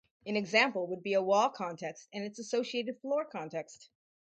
An example would be a wall context and its associated floor context.